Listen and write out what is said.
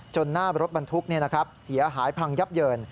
หน้ารถบรรทุกเสียหายพังยับเยิน